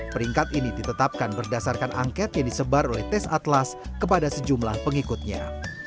peringkat ini ditetapkan berdasarkan angket yang disebar oleh tes atlas kepada sejumlah pengikutnya